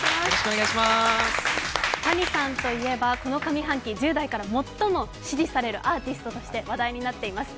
Ｔａｎｉさんといえば、この上半期、１０代から最も支持されるアーティストとして話題になっています。